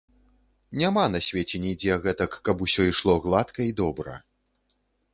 Няма на свеце нідзе гэтак, каб усё ішло гладка і добра.